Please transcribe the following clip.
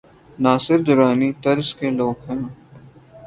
ناصر درانی طرز کے لو گ ہوں۔